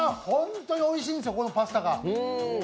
本当においしいんですよ、このパスタが。